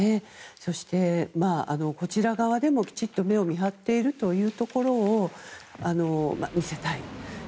そして、こちら側でもきちんと目を見張っているということを見せたい。